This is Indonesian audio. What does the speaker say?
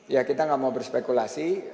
ya kita nggak mau berspekulasi